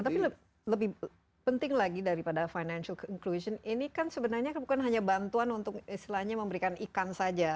tapi lebih penting lagi daripada financial inclusion ini kan sebenarnya bukan hanya bantuan untuk istilahnya memberikan ikan saja